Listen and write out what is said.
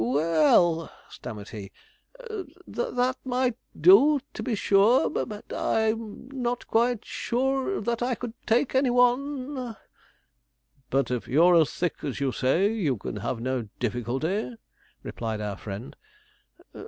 'Well,' stammered he, 'that might do, to be sure; but if I'm not quite sure that I could take any one ' 'But if you're as thick as you say, you can have no difficulty,' replied our friend.